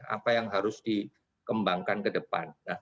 apa yang harus dikembangkan ke depan